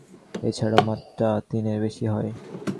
এ ছাড়াও মাত্রা তিনের বেশি হয়।